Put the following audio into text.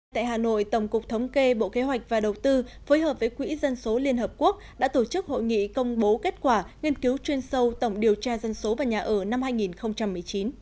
tại hà nội tổng cục thống kê bộ kế hoạch và đầu tư phối hợp với quỹ dân số liên hợp quốc đã tổ chức hội nghị công bố kết quả nghiên cứu chuyên sâu tổng điều tra dân số và nhà ở năm hai nghìn một mươi chín